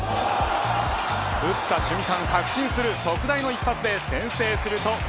打った瞬間確信する特大の一発で先制すると。